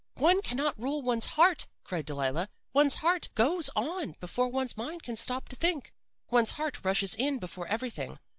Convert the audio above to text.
"'One can not rule one's heart,' cried Delilah. 'One's heart goes on before one's mind can stop to think. One's heart rushes in before everything.